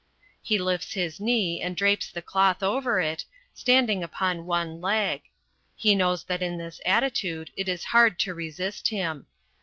He lifts one knee and drapes the cloth over it, standing upon one leg. He knows that in this attitude it is hard to resist him.